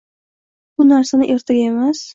shu narsani ertaga emas